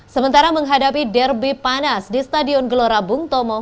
sementara menghadapi derby panas di stadion gelora bung tomo